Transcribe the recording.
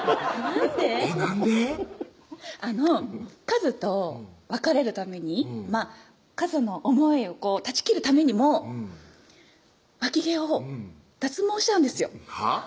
かずと別れるためにかずの思いを断ち切るためにもワキ毛を脱毛したんですよはぁ？